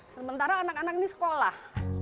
sementara anak anak ini sekolah